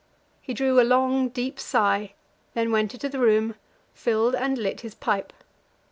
He drew a long, deep sigh, then went into the room, filled and lit his pipe.